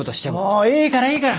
もういいからいいから！